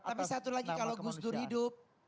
tapi satu lagi kalau gus dur hidup